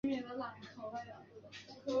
英语版本的内容和日语版本有些许差异。